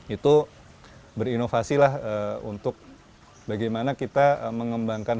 itu berinovasi lah untuk bagaimana kita mengembangkan